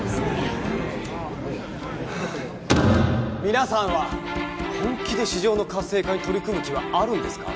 皆さんは本気で市場の活性化に取り組む気はあるんですか？